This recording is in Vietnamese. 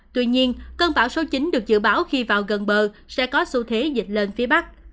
tuy nhiên cơn bão số chín được dự báo khi vào gần bờ sẽ có xu thế dịch lên phía bắc